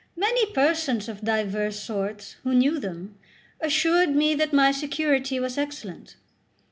Many persons of divers sorts, who knew them, assured me that my security was excellent.